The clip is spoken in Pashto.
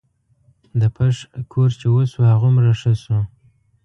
د پښ کور چې وسو هغومره ښه سو.